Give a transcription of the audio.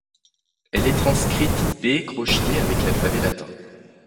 Elle est transcrite B crocheté avec l’alphabet latin.